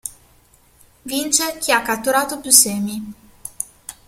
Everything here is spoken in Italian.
Vince chi ha catturato più semi.